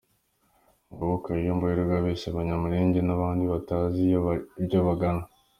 Nguwo Kayumba wirirwa abeshya Abanyamulenge n’abandi batazi iryo bagana !